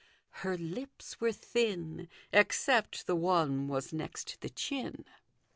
Her lips were thin, Except the one was next the chin."